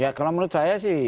ya kalau menurut saya sih